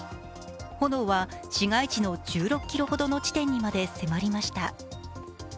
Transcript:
炎は市街地の１６ｋｍほどの地点にまで迫りました。